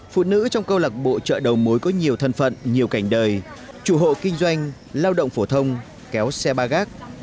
phụ nữ trong câu lạc bộ chợ đầu mối có nhiều thân phận nhiều cảnh đời chủ hộ kinh doanh lao động phổ thông kéo xe ba gác